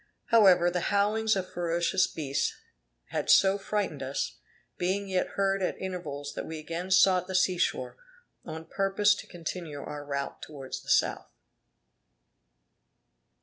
However, the howlings of ferocious beasts had so frightened us, being yet heard at intervals that we again sought the sea shore, on purpose to continue our route towards the south.